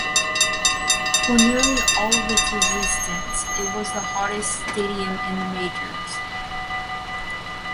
For nearly all of its existence, it was the hottest stadium in the majors.